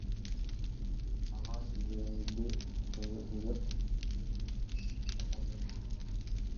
Барган жериңди көгөрт, көбөйт деп шыбырадым.